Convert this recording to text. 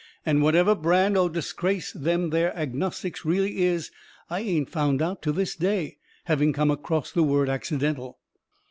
And whatever brand o' disgrace them there agnostics really is I ain't found out to this day, having come acrost the word accidental.